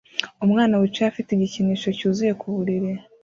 umwana wicaye afite igikinisho cyuzuye ku buriri